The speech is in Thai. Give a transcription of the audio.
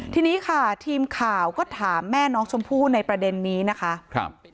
ทีนี้ค่ะทีมข่าวก็ถามแม่น้องชมพู่ในประเด็นนี้นะคะครับ